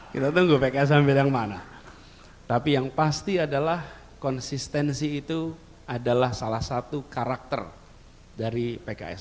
kita tunggu pks ambil yang mana tapi yang pasti adalah konsistensi itu adalah salah satu karakter dari pks